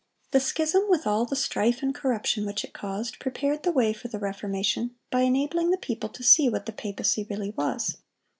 The schism, with all the strife and corruption which it caused, prepared the way for the Reformation, by enabling the people to see what the papacy really was.